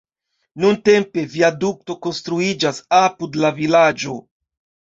Nuntempe viadukto konstruiĝas apud la vilaĝo.